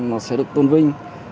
nó sẽ được tôn vinh